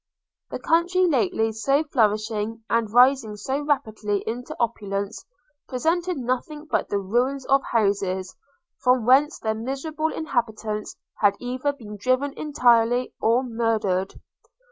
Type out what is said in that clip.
The country, lately so flourishing, and rising so rapidly into opulence, presented nothing but the ruins of houses, from whence their miserable inhabitants had either been driven entirely, or murdered!